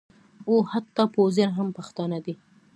او حتی پوځیان هم پښتانه دي